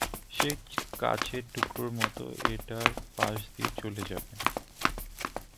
সে কাঁচের টুকরোর মতো এটার পাশ দিয়ে চলে যাবে।